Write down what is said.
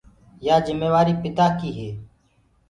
يآ جميوآريٚ پِتآ ڪيٚ هي